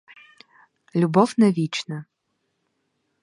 Любов — не вічна.